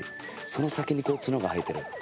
その先にツノが生えてる。